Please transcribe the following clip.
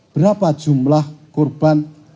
berapa jumlah kurban